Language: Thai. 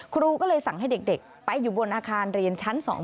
ครูก็เลยสั่งให้เด็กไปอยู่บนอาคารเรียนชั้น๒